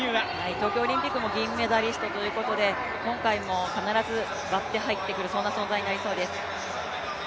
東京オリンピックも銀メダリストということで今回も必ず割って入ってくる存在になりそうです。